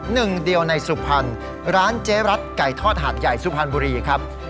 หนึ่งเดียวในสุพรรณร้านเจ๊รัฐไก่ทอดหาดใหญ่สุพรรณบุรีครับ